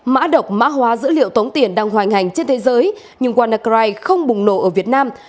mã độc mã hóa dữ liệu tống tiền đang hoành hành trên thế giới nhưng wanacry không bùng nổ ở việt nam